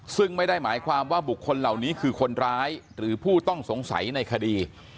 ซึ่งไม่ได้หมายความว่าบุคคลเหล่านี้คือคนร้ายหรือผู้ต้องสงสัยในคดี